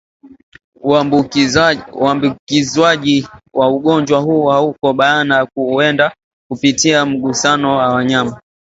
Uambukizwaji wa ugonjwa huu hauko bayana huenda kupitia mgusano wa wanyama